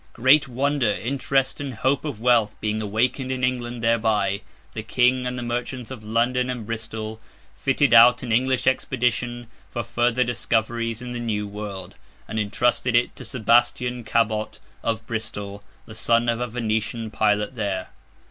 Great wonder, interest, and hope of wealth being awakened in England thereby, the King and the merchants of London and Bristol fitted out an English expedition for further discoveries in the New World, and entrusted it to Sebastian Cabot, of Bristol, the son of a Venetian pilot there.